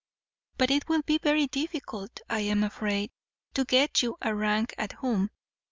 But it will be very difficult, I am afraid, to get you a rank at home.